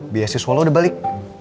biasiswa lo udah balik